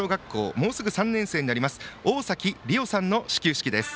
もうすぐ３年生になります大崎理央さんの始球式です。